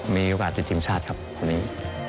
มีโอกาสติดทีมชาติครับคนนี้